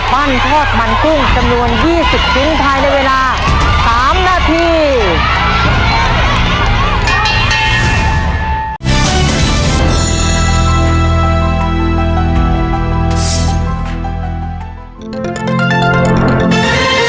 ทอดมันกุ้งจำนวน๒๐ชิ้นภายในเวลา๓นาที